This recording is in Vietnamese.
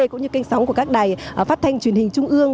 cũng như kênh sóng của các đài phát thanh truyền hình trung ương